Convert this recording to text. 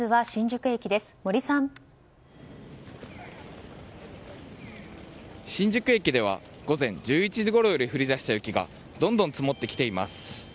新宿駅では午前１１時ごろより降り出した雪がどんどん積もってきています。